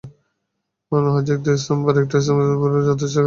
মনে হচ্ছে, একটি স্তম্ভ আরেকটি স্তম্ভের ওপরে যথেষ্ট খড়্গহস্ত হয়ে পড়ছে।